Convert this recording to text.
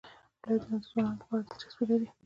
ولایتونه د ځوانانو لپاره ډېره دلچسپي لري.